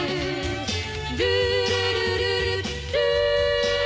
「ルールルルルルー」